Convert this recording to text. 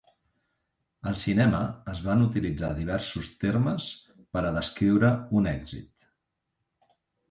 Al cinema, es van utilitzar diversos termes per a descriure un èxit.